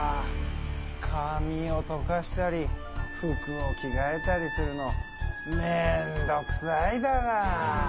かみをとかしたりふくをきがえたりするのめんどくさいダラ。